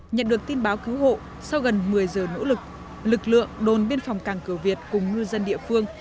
nhận được tin báo cứu hộ sau gần một mươi giờ nỗ lực lực lượng đồn biên phòng càng cửa việt cùng ngư dân địa phương